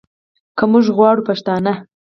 که موږ غواړو پښتانه